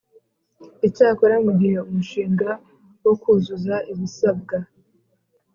Icyakora mu gihe umushinga wo kuzuza ibisabwa